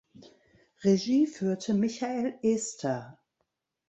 Regie führte Michael Ester.